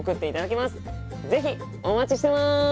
是非お待ちしてます。